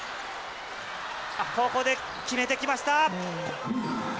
ここで決めてきました。